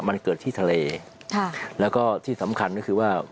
มันเกิดที่ทะเลค่ะแล้วก็ที่สำคัญก็คือว่า